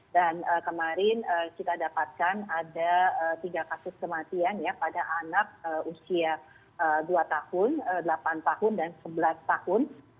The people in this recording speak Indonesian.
dan kemarin kita dapatkan ada tiga kasus kematian ya pada anak usia dua tahun delapan tahun dan sebelas tahun